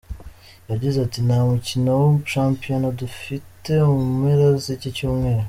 Yagize ati “Nta mukino wa shampiyona dufite mu mpera z’iki cyumweru.